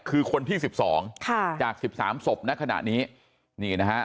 คือคนที่สิบสองค่ะจากสิบสามศพณขณะนี้นี่นะฮะ